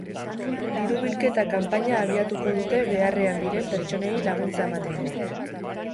Diru bilketa kanpaina abiatuko dute beharrean diren pertsonei laguntza emateko.